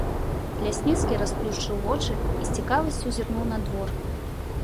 Лясніцкі расплюшчыў вочы і з цікавасцю зірнуў на двор.